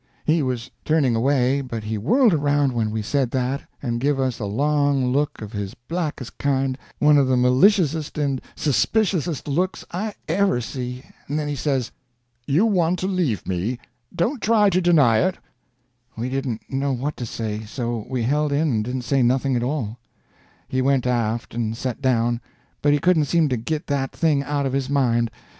He was turning away, but he whirled around when we said that, and give us a long look of his blackest kind—one of the maliciousest and suspiciousest looks I ever see. Then he says: "You want to leave me. Don't try to deny it." [Illustration: "You want to leave me. Don't try to deny it."] We didn't know what to say, so we held in and didn't say nothing at all. He went aft and set down, but he couldn't seem to git that thing out of his mind.